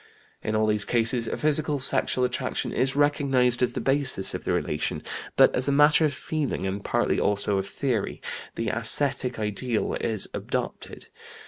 "In all these cases a physical sexual attraction is recognized as the basis of the relation, but as a matter of feeling, and partly also of theory, the ascetic ideal is adopted.